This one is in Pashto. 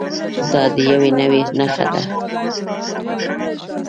دا د یوې نوعې نښه ده.